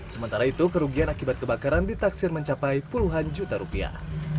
sementara itu kerugian akibat kebakaran ditaksir mencapai puluhan juta rupiah